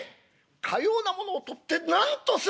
かようなものを取って何とする！」。